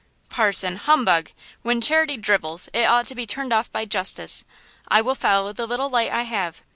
"Parson, humbug! When charity drivels it ought to be turned off by justice! I will follow the little light I have.